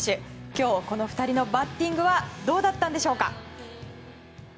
今日はこの２人のバッティングはどうだったんでしょうか。